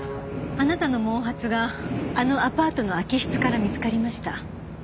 あなたの毛髪があのアパートの空き室から見つかりました。